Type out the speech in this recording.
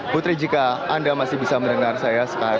putri jika anda masih bisa mendengar saya saat ini